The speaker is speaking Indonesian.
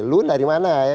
lu dari mana ya